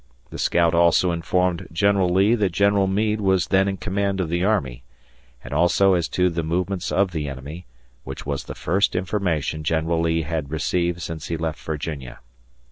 The scout also informed General Lee that General Meade was then in command of the army; and also as to the movements of the enemy, which was the first information General Lee had received since he left Virginia.